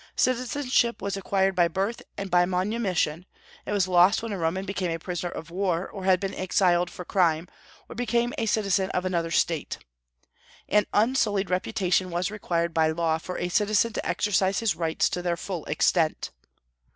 Citizenship was acquired by birth and by manumission; it was lost when a Roman became a prisoner of war, or had been exiled for crime, or became a citizen of another State. An unsullied reputation was required by law for a citizen to exercise his rights to their full extent.